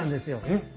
えっ？